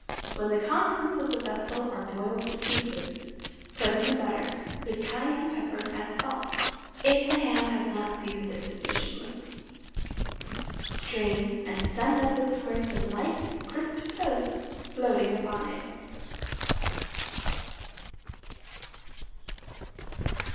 When the contents of the vessel are boiled to pieces, put in the butter, with cayenne pepper and salt, if the ham has not seasoned it sufficiently. Strain and send up with squares of light, crisp toast floating upon it.